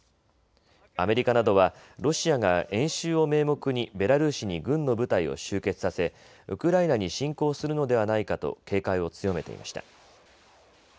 アメリカなどはロシアが演習を名目にベラルーシに軍の部隊を集結させウクライナに侵攻するのではないかと警戒を強めていました。